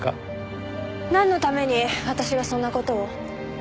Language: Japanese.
なんのために私がそんな事を？